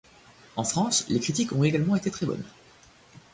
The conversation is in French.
En France, les critiques ont également été très bonnes.